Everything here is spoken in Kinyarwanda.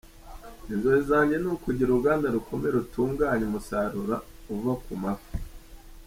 Inzozi zanjye ni ukugira uruganda rukomeye rutunganya umusaruro uva ku mafi.